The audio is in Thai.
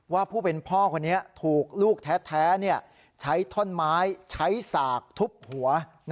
ผู้เป็นพ่อคนนี้ถูกลูกแท้ใช้ท่อนไม้ใช้สากทุบหัว